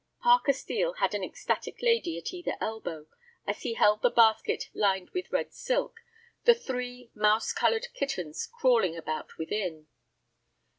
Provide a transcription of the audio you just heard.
Parker Steel had an ecstatic lady at either elbow as he held the basket lined with red silk, the three mouse colored kittens crawling about within.